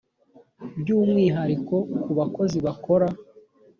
by’umwihariko ku bakozi bakora